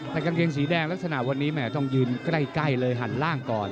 แต่กางเกงสีแดงลักษณะวันนี้แม่ต้องยืนใกล้เลยหันล่างก่อน